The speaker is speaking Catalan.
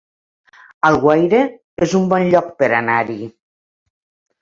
Alguaire es un bon lloc per anar-hi